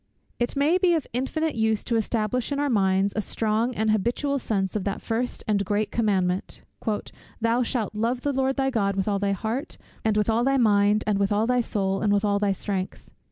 It may be of infinite use to establish in our minds a strong and habitual sense of that first and great commandment "Thou shalt love the Lord thy God with all thy heart, and with all thy mind, and with all thy soul, and with all thy strength."